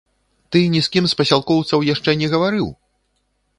Ты ні з кім з пасялкоўцаў яшчэ не гаварыў?